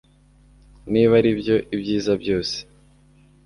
niba aribyo, ibyiza byose